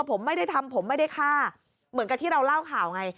ผมไม่ได้ทำผมไม่ได้ฆ่าเหมือนกับที่เราเล่าข่าวไง